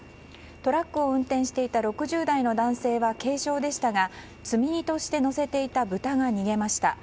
トラックを運転していた６０代の男性は軽傷でしたが積み荷として乗せていた豚が逃げました。